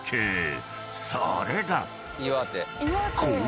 ［それが］